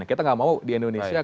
kita nggak mau di indonesia